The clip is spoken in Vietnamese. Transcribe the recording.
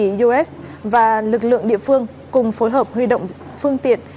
đội giải cứu hoa kỳ us và lực lượng địa phương cùng phối hợp huy động phương tiện